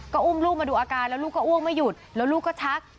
ก็อุ้มลูกมาดูอาการแล้วลูกก็อ้วงไม่หยุดแล้วลูกก็ชัก